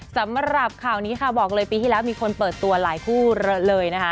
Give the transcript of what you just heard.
สำหรับข่าวนี้ค่ะบอกเลยปีที่แล้วมีคนเปิดตัวหลายคู่เลยนะคะ